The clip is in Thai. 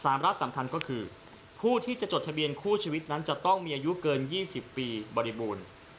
รักสำคัญก็คือผู้ที่จะจดทะเบียนคู่ชีวิตนั้นจะต้องมีอายุเกิน๒๐ปีบริบูรณ์